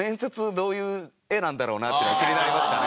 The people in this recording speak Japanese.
どういう画なんだろうなって気になりましたね。